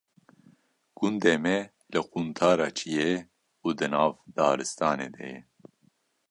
Gundê me li quntara çiyê û di nav daristanê de ye.